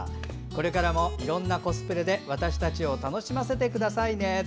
これからもいろいろなコスプレで私たちを楽しませてくださいね」。